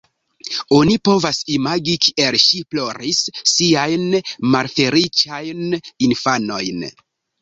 Oni povas imagi, kiel ŝi ploris siajn malfeliĉajn infanojn.